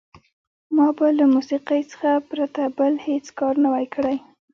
ما به له موسیقۍ څخه پرته بل هېڅ کار نه وای کړی.